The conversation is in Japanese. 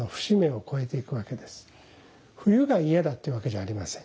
冬が嫌だっていうわけじゃありません。